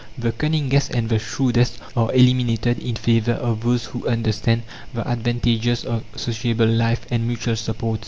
The cunningest and the shrewdest are eliminated in favour of those who understand the advantages of sociable life and mutual support.